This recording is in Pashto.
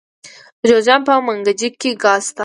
د جوزجان په منګجیک کې ګاز شته.